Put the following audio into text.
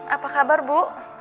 apa kabar bu